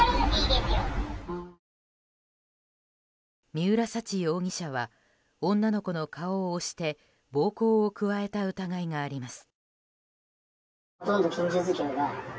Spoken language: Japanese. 三浦沙知容疑者は女の子の顔を押して暴行を加えた疑いがあります。